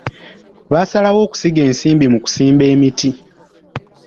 Baasalawo okusiga ensimbi mu kusimba emiti.